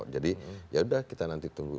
jadi yaudah kita nanti tunggu